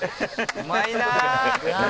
「うまいなー！」